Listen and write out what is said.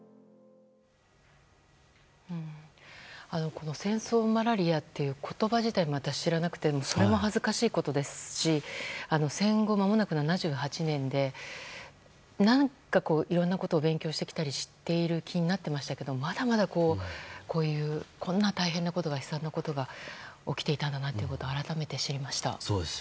この戦争マラリアという言葉自体私、知らなくてそれも恥ずかしいことですし戦後、まもなく７８年でいろいろなことを勉強してきた気になっていましたけどまだまだ、こんな大変で悲惨なことが起きていたことを改めて知りました。